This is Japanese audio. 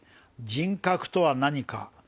「人格とは何か」